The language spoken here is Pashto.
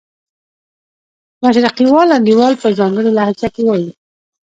مشرقي وال انډیوال په ځانګړې لهجه کې وایي.